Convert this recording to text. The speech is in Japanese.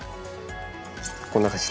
こんな感じ。